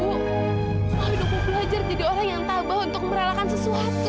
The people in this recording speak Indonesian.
aduh ibu belajar jadi orang yang tabah untuk meralahkan sesuatu